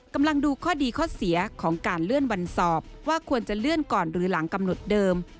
ดูข้อดีข้อเสียของการเลื่อนวันสอบว่าควรจะเลื่อนก่อนหรือหลังกำหนดเดิม